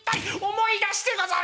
思い出してござる！」。